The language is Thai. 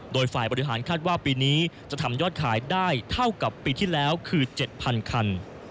โดยฝ่ายบริหารคาดว่าปีนี้จะทำยอดขายได้เท่ากับปีที่แล้วคือ๗๐๐คัน